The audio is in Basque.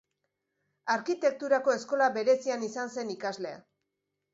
Arkitekturako eskola berezian izan zen ikasle.